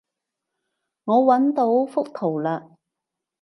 我搵到幅圖喇